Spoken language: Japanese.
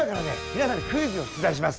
皆さんにクイズを出題します。